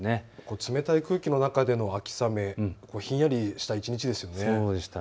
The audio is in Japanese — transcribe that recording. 冷たい空気の中での秋雨、ひんやりした一日でしたよね。